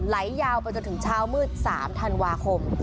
ไหลยาวไปจนถึงเช้ามืด๓ธันวาคม